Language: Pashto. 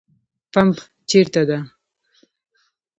پمپ چیرته ده؟